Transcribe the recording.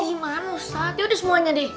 gimana ustad ya udah semuanya deh